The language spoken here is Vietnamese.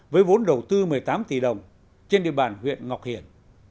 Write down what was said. với vốn đầu tư một mươi tám tỷ đồng trên địa bàn huyện ngọc hiển